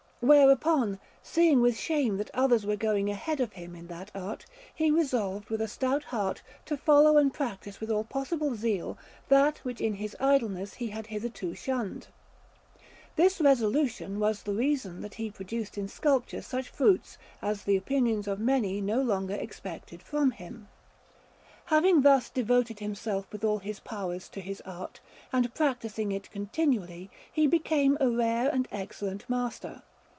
Whereupon, seeing with shame that others were going ahead of him in that art, he resolved with a stout heart to follow and practise with all possible zeal that which in his idleness he had hitherto shunned. This resolution was the reason that he produced in sculpture such fruits as the opinions of many no longer expected from him. Having thus devoted himself with all his powers to his art, and practising it continually, he became a rare and excellent master.